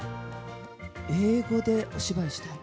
英語でお芝居したい。